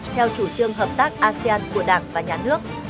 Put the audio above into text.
theo chủ trương hợp tác asean của đảng và nhà nước